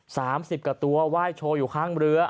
สามสิบกว่าตัวไหว้โชว์อยู่ข้างเรือ